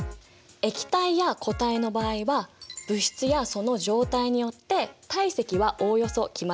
液体や固体の場合は物質やその状態によって体積はおおよそ決まっているんだ。